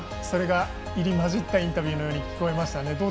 それが入り交じったインタビューのように聞こえましたね。